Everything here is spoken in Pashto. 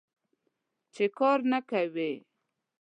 چې کار نه کوې.